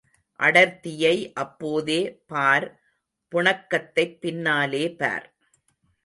அடர்த்தியை அப்போதே பார் புணக்கத்தைப் பின்னாலே பார்.